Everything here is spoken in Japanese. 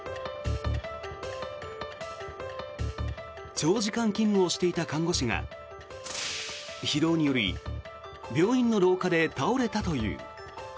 長時間勤務をしていた看護師が疲労により病院の廊下で倒れたという。